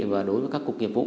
và đối với các cục nghiệp vụ